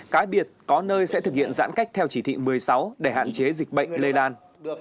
cái biệt có nơi sẽ thực hiện giãn cách theo chỉ thị một mươi sáu để hạn chế dịch bệnh lây lan